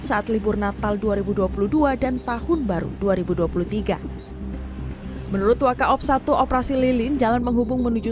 saat libur natal dua ribu dua puluh dua dan tahun baru dua ribu dua puluh tiga menurut wakaop satu operasi lilin jalan menghubung menuju